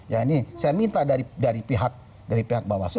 ya ini saya minta dari pihak bawasuh